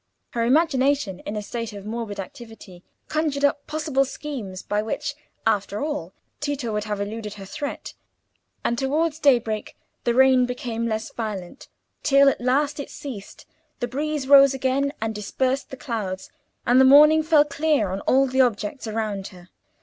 Her imagination, in a state of morbid activity, conjured up possible schemes by which, after all, Tito would have eluded her threat; and towards daybreak the rain became less violent, till at last it ceased, the breeze rose again and dispersed the clouds, and the morning fell clear on all the objects around her.